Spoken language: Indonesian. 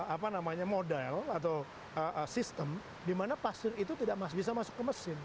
apa namanya model atau sistem di mana pasir itu tidak bisa masuk ke mesin